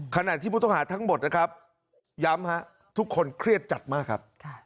ขณะที่ผู้ต้องหาทั้งหมดนะครับย้ำฮะทุกคนเครียดจัดมากครับ